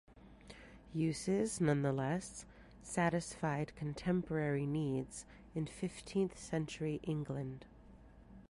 Uses, nonetheless, satisfied contemporary needs in fifteenth century England.